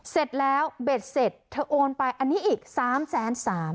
เสร็จแล้วเบ็ดเสร็จเธอโอนไปอันนี้อีก๓๓๐๐บาท